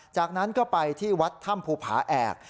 จากนั้นก็ไปที่วัดถ้ำภูผาแอก